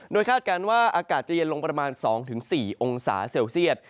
โดยคาดการณ์ว่าอากาศจะเย็นลงประมาณ๒๔องศาเซลเซียต